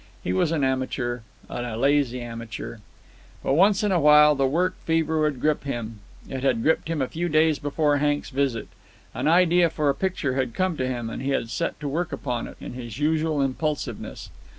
He was an amateur, and a lazy amateur. But once in a while the work fever would grip him. It had gripped him a few days before Hank's visit. An idea for a picture had come to him, and he had set to work upon it with his usual impulsiveness.